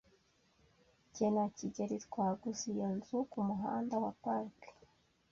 Jye na kigeli twaguze iyo nzu kumuhanda wa Park.